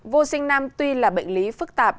vô sinh nam tuy là bệnh lý phức tạp